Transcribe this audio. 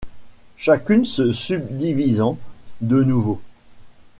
Chacune se subdivisant de nouveau.